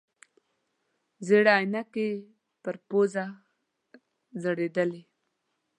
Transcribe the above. زړې عینکې یې پر پوزه ځړېدلې.